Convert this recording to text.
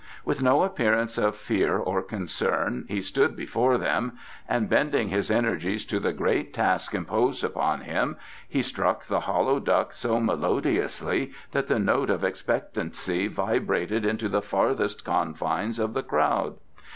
With no appearance of fear or concern, he stood before them, and bending his energies to the great task imposed upon him, he struck the hollow duck so melodiously that the note of expectancy vibrated into the farthest confines of the crowd.